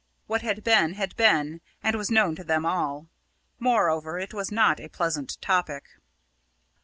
What had been had been, and was known to them all. Moreover, it was not a pleasant topic.